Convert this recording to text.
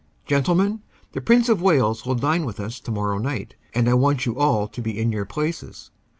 "Gentlemen, the Prince of Wales will dine with us tomorrow night, and I want you all to be in your places."